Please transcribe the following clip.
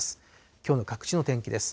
きょうの各地の天気です。